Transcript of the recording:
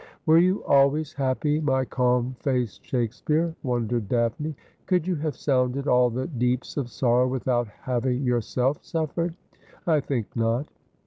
' Were you always happy, my calm faced Shakespeare ?' wondered Daphne. ' Could you have sounded all the deeps of sorrow without having yourself sufiiered ? I think not.